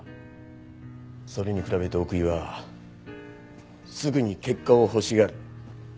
それに比べて奥居はすぐに結果を欲しがる。